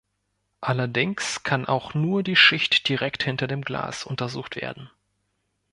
Allerdings kann auch nur die Schicht direkt hinter dem Glas untersucht werden.